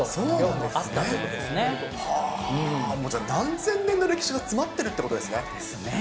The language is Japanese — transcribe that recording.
もう何千年の歴史が詰まってるということですね。ですね。